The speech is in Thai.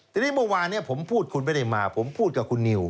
ทีนี้เมื่อวานนี้ผมพูดคุณไม่ได้มาผมพูดกับคุณนิว